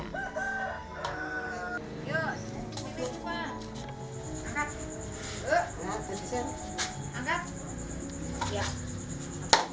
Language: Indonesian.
yuk nyembing syufah